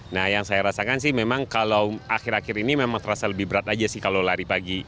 nah yang saya rasakan sih memang kalau akhir akhir ini memang terasa lebih berat aja sih kalau lari pagi